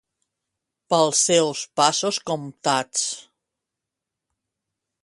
Pels seus passos comptats.